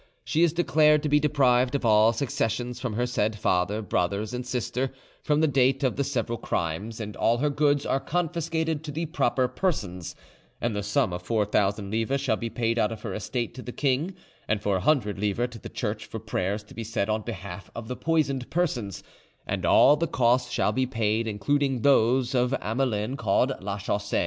She is declared to be deprived of all successions from her said father, brothers, and sister, from the date of the several crimes; and all her goods are confiscated to the proper persons; and the sum of 4000 livres shall be paid out of her estate to the king, and 400 livres to the Church for prayers to be said on behalf of the poisoned persons; and all the costs shall be paid, including those of Amelin called Lachaussee.